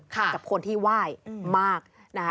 กับคนที่ไหว้มาก